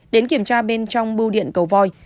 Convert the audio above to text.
đến kiểm tra bên trong bô điện cầu voi